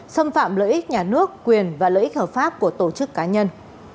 xâm phạm lợi ích nhà nước quyền và lợi ích hợp pháp của tổ chức cá nhân